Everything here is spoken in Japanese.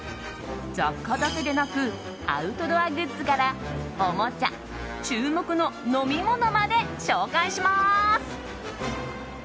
雑貨だけでなくアウトドアグッズからおもちゃ、注目の飲み物まで紹介します。